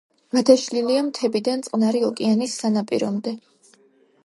გადაშლილია მთებიდან წყნარი ოკეანის სანაპირომდე.